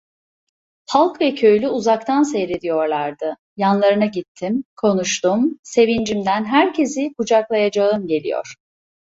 Halk ve köylü uzaktan seyrediyorlardı, yanlarına gittim, konuştum, sevincimden herkesi kucaklayacağım geliyor.